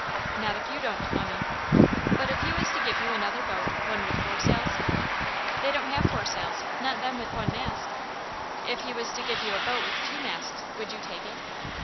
"Not if you don't, mummie." "But if he was to give you another boat, one with four sails?" "They don't have four sails, not them with one mast." "If he was to give you a boat with two masts, would you take it?"